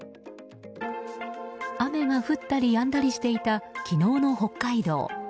雨が降ったりやんだりしていた昨日の北海道。